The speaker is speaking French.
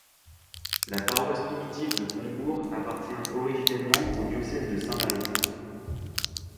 La paroisse primitive de Combourg appartient originellement au diocèse de Saint-Malo.